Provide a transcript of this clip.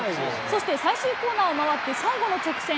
そして最終コーナーを回って、最後の直線。